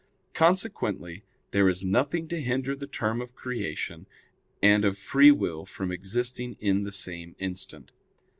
Consequently, there is nothing to hinder the term of creation and of free will from existing in the same instant.